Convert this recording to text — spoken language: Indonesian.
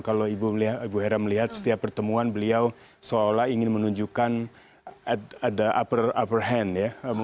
kalau ibu hera melihat setiap pertemuan beliau seolah olah ingin menunjukkan ada upper upper hand ya